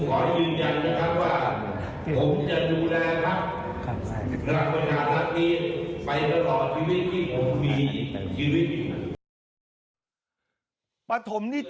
สมัยไม่เรียกหวังผม